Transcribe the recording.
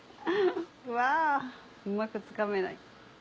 うわうまくつかめない。